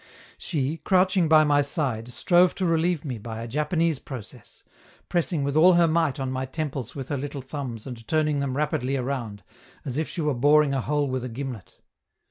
She, crouching by my side, strove to relieve me by a Japanese process, pressing with all her might on my temples with her little thumbs and turning them rapidly around, as if she were boring a hole with a gimlet.